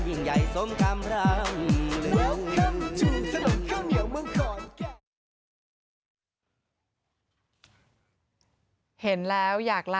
ดูน่าสนุกมากนะ